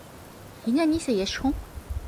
Һиңә нисә йәш һуң?